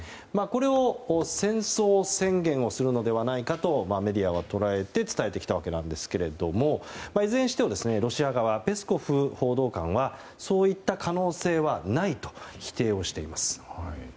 これを戦争宣言をするのではないかとメディアは捉えて伝えてきたわけなんですけれどもいずれにしても、ロシア側ペスコフ報道官はそういった可能性はないと否定をしています。